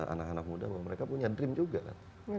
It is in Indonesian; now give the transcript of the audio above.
anak anak muda mereka punya dream juga kan